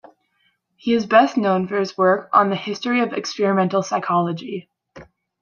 He is best known for his work on the history of experimental psychology.